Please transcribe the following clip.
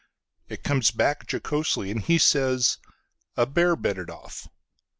It comes back jocoselyAnd he says, "A bear bit it off."